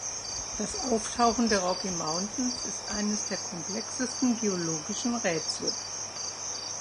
Das Auftauchen der Rocky Mountains ist eines der komplexesten geologischen Rätsel.